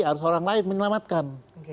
harus orang lain menyelamatkan